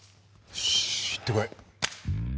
よし行ってこい！